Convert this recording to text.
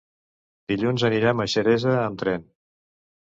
Dilluns anirem a Xeresa amb tren.